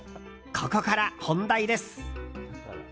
ここから本題です。